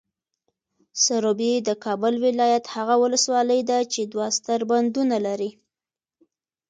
سروبي، د کابل ولایت هغه ولسوالۍ ده چې دوه ستر بندونه لري.